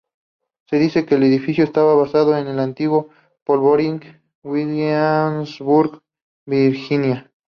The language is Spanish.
Se dice que el edificio está basado en el antiguo polvorín en Williamsburg, Virginia.